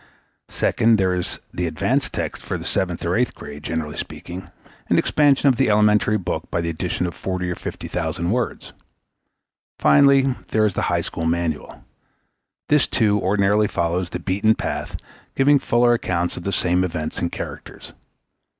Second, there is the advanced text for the seventh or eighth grade, generally speaking, an expansion of the elementary book by the addition of forty or fifty thousand words. Finally, there is the high school manual. This, too, ordinarily follows the beaten path, giving fuller accounts of the same events and characters.